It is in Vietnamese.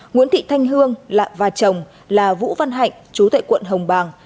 nguyễn thị thanh hương lạc và chồng là vũ văn hạnh chú tệ quận hồng bàng